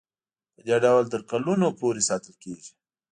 پدې ډول تر کلونو پورې ساتل کیږي.